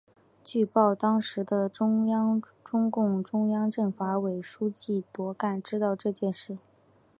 据报当时的中共中央政法委书记罗干知道这个事件。